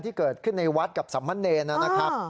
ที่เกิดขึ้นในวัดกับสัมมะเนรนะครับ